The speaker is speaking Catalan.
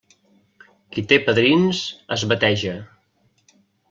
Qui té padrins, es bateja.